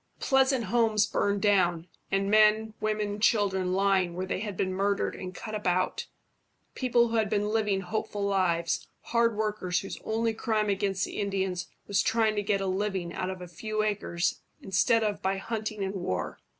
Pleasant homes burned down, and men, women, and children lying where they had been murdered and cut about people who had been living hopeful lives, hard workers whose only crime against the Indians was trying to get a living out of a few acres instead of by hunting and war.